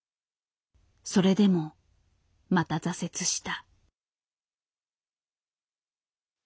それでもまた挫折した。